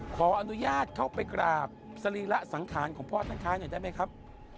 ขออนุญาตเข้าไปกราบสรีระสังขารของพ่อท่านค้าหน่อยได้ไหมครับ